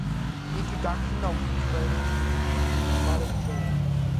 Induction training is systematic training.